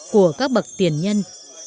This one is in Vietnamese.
của các bậc tiền nhân